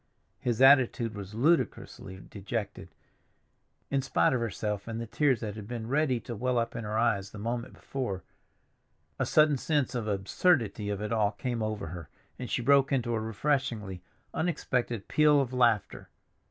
His attitude was ludicrously dejected. In spite of herself and the tears that had been ready to well up in her eyes the moment before, a sudden sense of the absurdity of it all came over her, and she broke into a refreshingly unexpected peal of laughter.